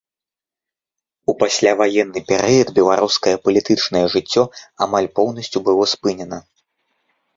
У пасляваенны перыяд беларускае палітычнае жыццё амаль поўнасцю было спынена.